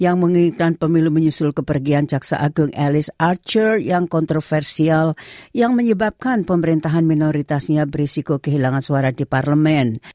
yang menginginkan pemilu menyusul kepergian jaksa agung elis archer yang kontroversial yang menyebabkan pemerintahan minoritasnya berisiko kehilangan suara di parlemen